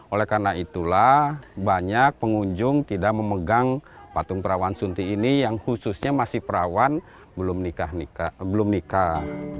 oleh karena itulah banyak pengunjung tidak memegang patung perawan sunti ini yang khususnya masih perawan belum nikah